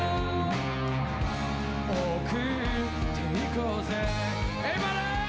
「送っていこうぜ」